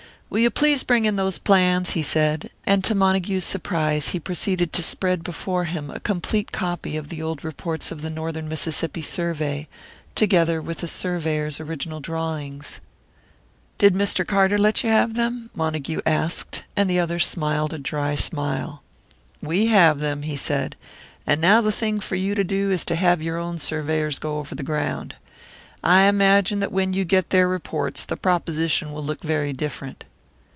"Will you please bring those plans?" he said; and to Montague's surprise he proceeded to spread before him a complete copy of the old reports of the Northern Mississippi survey, together with the surveyor's original drawings. "Did Mr. Carter let you have them?" Montague asked; and the other smiled a dry smile. "We have them," he said. "And now the thing for you to do is to have your own surveyors go over the ground. I imagine that when you get their reports, the proposition will look very different."